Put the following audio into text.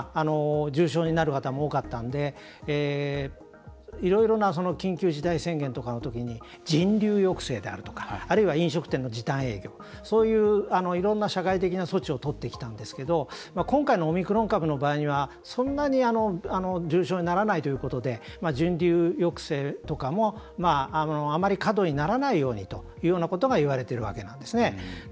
重症になる方も多かったんでいろいろな緊急事態宣言とかのときに人流抑制であるとかあるいは飲食店の時短営業そういういろんな社会的な措置をとってきたんですけど今回のオミクロン株の場合にはそんなに重症にならないということで、人流抑制とかもあまり過度にならないようにというようなことがいわれてるわけなんですね。